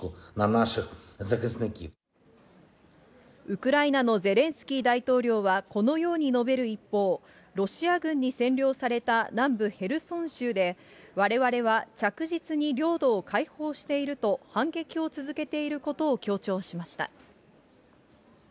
ウクライナのゼレンスキー大統領はこのように述べる一方、ロシア軍に占領された南部ヘルソン州で、われわれは着実に領土を解放していると、反撃を続けていることを強調しました。